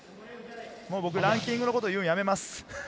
僕、ランキングのこと言うのやめます。